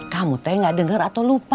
kamu teh gak denger atau lupa